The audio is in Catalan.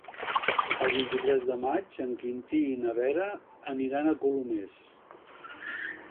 El vint-i-tres de maig en Quintí i na Vera aniran a Colomers.